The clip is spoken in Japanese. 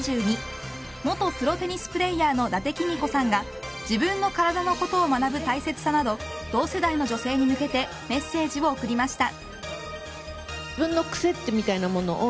２０２２元プロテニスプレーヤーの伊達公子さんが自分の体のことを学ぶ大切さなど同世代の女性に向けてメッセージを送りました。